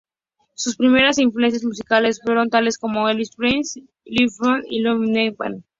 Sus primeras influencias musicales fueron tales como Elvis Presley, Little Richard y Lonnie Donegan.